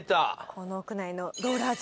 この屋内のローラー場。